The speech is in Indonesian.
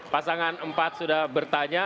pasangan empat sudah bertanya